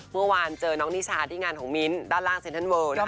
เมื่อวานเจอน้องนิชาที่งานของมิ้นท์ด้านล่างเซ็นทันเลิลนะคะ